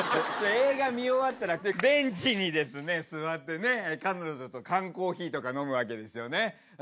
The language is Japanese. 映画見終わったらベンチにですね座ってね彼女と缶コーヒーとか飲むわけですよね。